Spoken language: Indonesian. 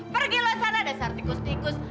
pergi lo sana dasar tikus tikus